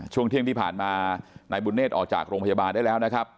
ช่วงเที่ยงที่ผ่านมานายบุญเนธออกจากโรงพยาบาลได้แล้วนะครับ